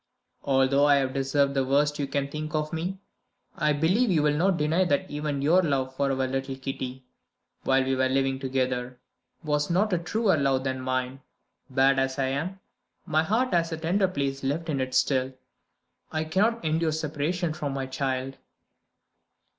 Although I have deserved the worst you can think of me, I believe you will not deny that even your love for our little Kitty (while we were living together) was not a truer love than mine. Bad as I am, my heart has that tender place left in it still. I cannot endure separation from my child."